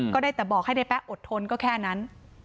ก็ได้แต่บอกให้ในแป๊ะอดทนก็แค่นั้น